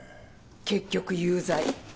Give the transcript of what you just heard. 結局有罪。